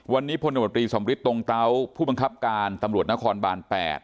วันนี้พลดสมฤติตรงเตาผู้บังคับการตำรวจนครบาล๘